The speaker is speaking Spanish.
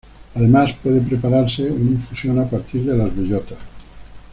Además, puede prepararse una infusión a partir de las bellotas.